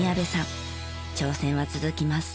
挑戦は続きます。